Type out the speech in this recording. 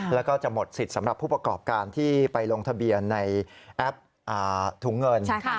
แล้วก็จะหมดสิทธิ์สำหรับผู้ประกอบการที่ไปลงทะเบียนในแอปถุงเงิน